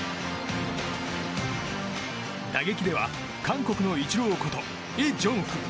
打撃では韓国のイチローことイ・ジョンフ。